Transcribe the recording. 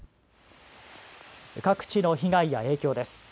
各地の被害や影響です。